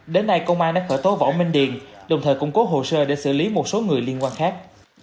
đến nay công an đã khởi tố võ minh điền đồng thời củng cố hồ sơ để xử lý một số người liên quan khác